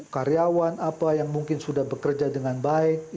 karyawan apa yang mungkin sudah bekerja dengan baik